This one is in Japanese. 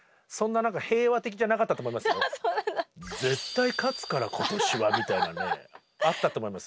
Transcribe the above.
「絶対勝つから今年は」みたいなねあったと思います。